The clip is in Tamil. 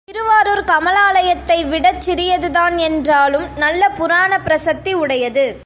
திருவாரூர் கமலாலயத்தை விடச் சிறியதுதான் என்றாலும் நல்ல புராணப் பிரசித்தி உடையது.